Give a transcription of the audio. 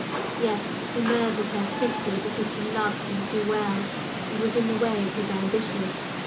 "Yes. He murdered her simply because she loved him too well and was in the way of his ambition.